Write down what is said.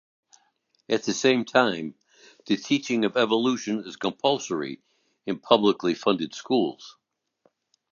At the same time, the teaching of evolution is compulsory in publicly funded schools.